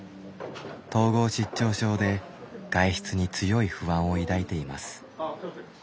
統合失調症で外出に強い不安を抱いています。